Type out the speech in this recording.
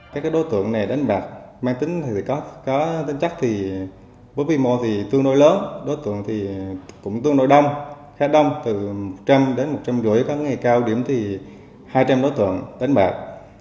các đối tượng này đánh bạc mang tính thời có tính chắc thì với quy mô thì tương đối lớn đối tượng thì cũng tương đối đông khá đông từ một trăm linh đến một trăm linh rưỡi có ngày cao điểm thì hai trăm linh đối tượng đánh bạc